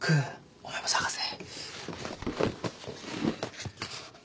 お前も捜せ。